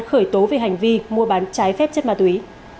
khởi tố về hành vi mua bán trái phép chất ma túy